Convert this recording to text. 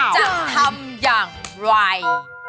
จะทำอย่างไร